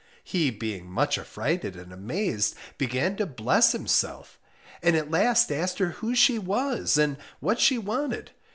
He being much affrighted and amazed, began to bless himself, and at last asked her who she was, and what she wanted?